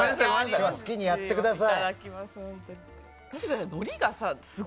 今日は好きにやってください。